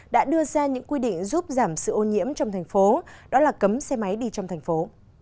đã đưa ra những quy định giúp giảm sự ô nhiễm trong thành phố đó là cấm xe máy đi trong thành phố